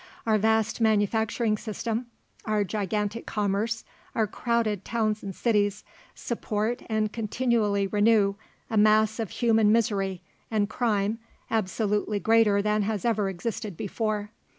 Our vast manufacturing system, our gigantic commerce, our crowded towns and cities, support and continually renew a mass of human misery and crime absolutely greater than has ever existed before.